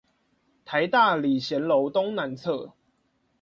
臺大禮賢樓東南側